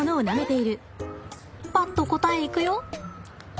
パッと答えいくよ！